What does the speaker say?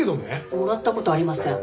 もらった事ありません。